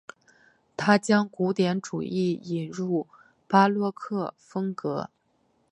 他将古典主义引入巴洛克风格。